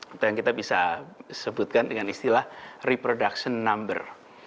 atau yang kita bisa sebutkan dengan istilah reproduction number